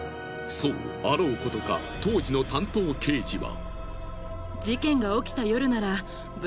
そうあろうことか当時の担当刑事は。